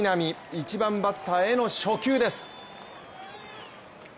１番バッターへの初球です。